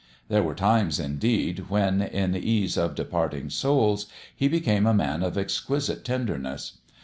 There were times, indeed, when, in ease of de parting souls, he became a man of exquisite ten derness.